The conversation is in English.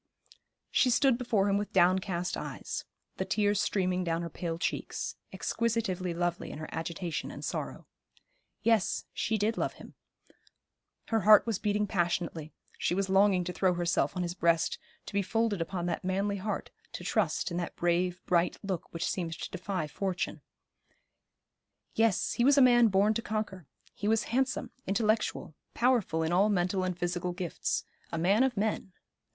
She stood before him with downcast eyes, the tears streaming down her pale cheeks, exquisitively lovely in her agitation and sorrow. Yes, she did love him; her heart was beating passionately; she was longing to throw herself on his breast, to be folded upon that manly heart, in trust in that brave, bright look which seemed to defy fortune. Yes, he was a man born to conquer; he was handsome, intellectual, powerful in all mental and physical gifts. A man of men.